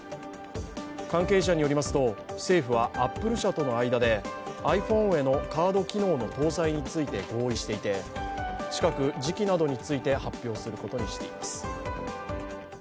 関係者によりますと、政府はアップル社との間でｉＰｈｏｎｅへのカード機能の搭載について合意していて近く時期などについて発表することにしています。